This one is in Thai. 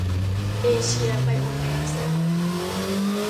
เอเชีย ไบโอแมส